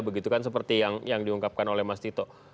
begitu kan seperti yang diungkapkan oleh mas tito